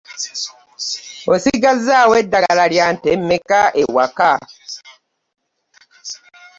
Osigazaawo ddagala lya meka e waka?